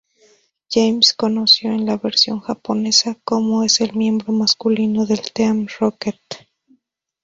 James, conocido en la versión japonesa como es el miembro masculino del Team Rocket.